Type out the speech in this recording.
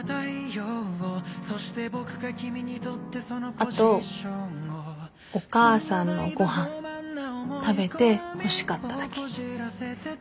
あとお母さんのご飯食べてほしかっただけ。